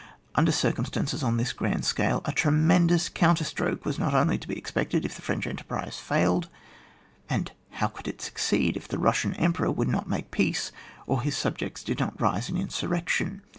Under circumstances on this grand scale, a tremendous counterstroke was not only to be expected if the French enterprise failed (and how could it sue ceed if the Bussian Emperor would not make peace, or his subjects did not rise in insurrection?)